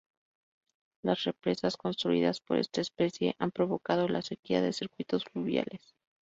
Las represas construidas por esta especie han provocado la sequía de circuitos fluviales.